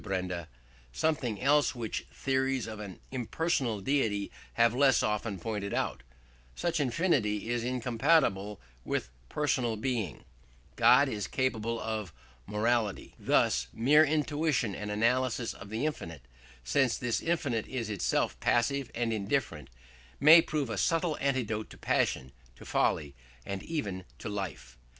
Benda, "something else which theories of an impersonal deity have less often pointed out. Since infinity is incompatible with personal being, God is incapable of morality." Thus mere intuition and analysis of the infinite, since this infinite is itself passive and indifferent, may prove a subtle antidote to passion, to folly, and even to life.